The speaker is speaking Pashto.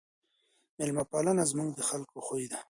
ميلمه پالنه زموږ د خلګو خوی دی.